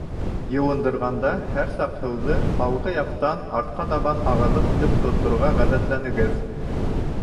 Йыуындырғанда һәр саҡ һыуҙы алғы яҡтан артҡа табан ағырлыҡ итеп тоторға ғәҙәтләнегеҙ.